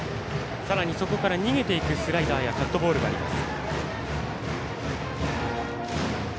さらにそこから逃げていくスライダーやカットボールがあります。